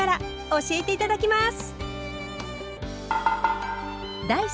教えて頂きます。